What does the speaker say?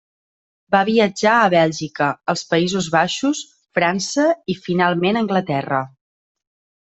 Va viatjar a Bèlgica, els Països Baixos, França i, finalment, Anglaterra.